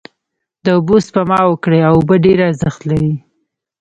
داوبوسپما وکړی او اوبه ډیر ارښت لری